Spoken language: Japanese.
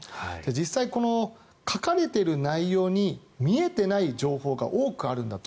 実際、書かれている内容に見えていない情報が多くあるんだと。